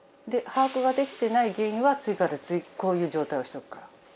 で把握ができてない原因は次から次とこういう状態をしておくから。